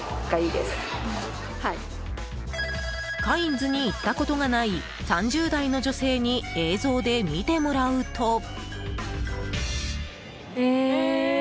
カインズに行ったことがない３０代の女性に映像で見てもらうと。